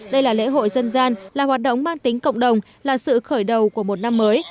đây là lễ hội dân gian là hoạt động mang tính cộng đồng là sự khởi đầu của một năm mới